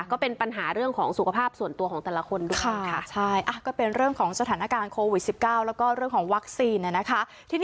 ก็เป็นปัญหาเรื่องของสุขภาพส่วนตัวของแต่ละคนด้วยค่ะใช่อ่ะก็เป็นเรื่องของสถานการณ์โควิดสิบเก้าแล้วก็เรื่องของวัคซีนเนี่ยนะคะ